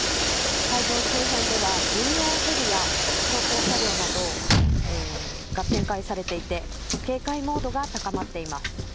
会場周辺では軍用ヘリや装甲車両などが展開されていて警戒モードが高まっています。